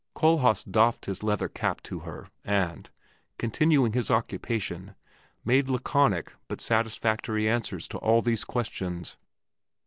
Kohlhaas doffed his leather cap to her and, continuing his occupation, made laconic but satisfactory answers to all these questions.